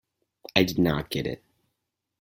I did not get it.